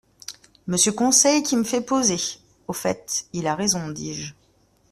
Monsieur Conseil qui me fait poser ! —Au fait, il a raison, dis-je.